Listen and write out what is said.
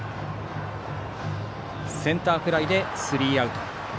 センターフライでスリーアウト。